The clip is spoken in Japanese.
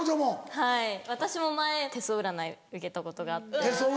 はい私も前手相占い受けたことがあって。